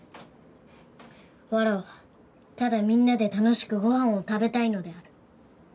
わらわはただみんなで楽しくご飯を食べたいのである。